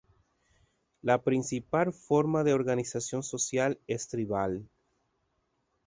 La principal forma de organización social es tribal.